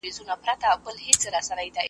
پرېږده مُهر کړي پخپله عجایب رنګه وصال دی .